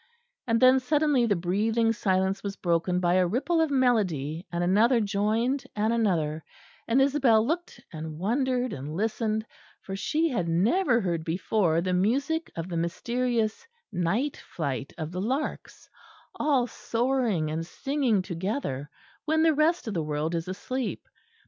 And then suddenly the breathing silence was broken by a ripple of melody, and another joined and another; and Isabel looked and wondered and listened, for she had never heard before the music of the mysterious night flight of the larks all soaring and singing together when the rest of the world is asleep.